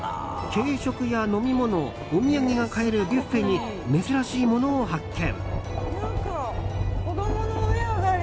軽食や飲み物お土産が買えるビュッフェに珍しいものを発見。